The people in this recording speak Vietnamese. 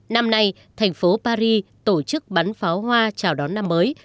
năm nay thành phố paris tổ chức bắn pháo hoa chào đón năm mới